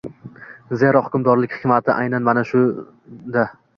zero hukmdorlik hikmati aynan mana ana shunda.